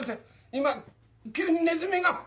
今急にネズミが！